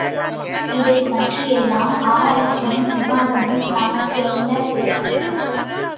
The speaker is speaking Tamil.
இதைப் பற்றியெல்லாம் ஆராய்ச்சியும் விவாதமும் நமக் கென்னத்திற்கு?.